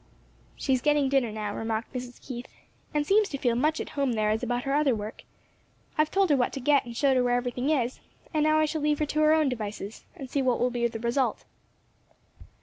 "She's getting dinner now," remarked Mrs. Keith, "and seems to feel as much at home there as about her other work. I've told her what to get, and showed her where everything is; and now I shall leave her to her own devices; and see what will be the result."